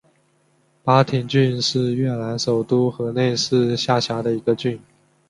巴亭郡是越南首都河内市下辖的一个郡。